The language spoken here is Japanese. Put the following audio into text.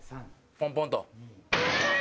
ポンポンと。